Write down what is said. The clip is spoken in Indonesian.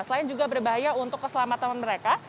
selain juga berbahaya untuk keselamatan mereka